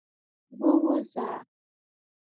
ووځه.